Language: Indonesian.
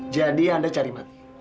jadi anda cari mati